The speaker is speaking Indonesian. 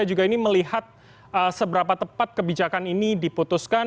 juga ini melihat seberapa tepat kebijakan ini diputuskan